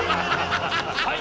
はい！